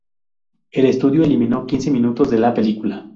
El estudio eliminó quince minutos de la película.